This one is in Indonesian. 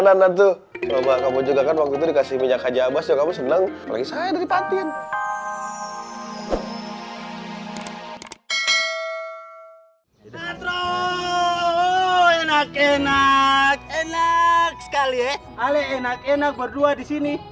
ale enak enak berdua disini